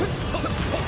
aku perlu menggoldok